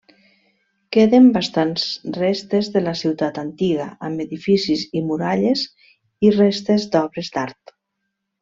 Queden bastants restes de la ciutat antiga, amb edificis i muralles i restes d'obres art.